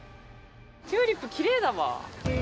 チューリップきれいだわ。